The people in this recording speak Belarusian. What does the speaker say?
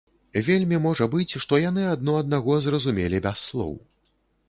Вельмі можа быць, што яны адно аднаго зразумелі без слоў.